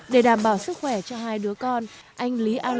để đảm bảo sức khỏe cho hai đứa con